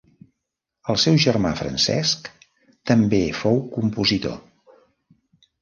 El seu germà Francesc també fou compositor.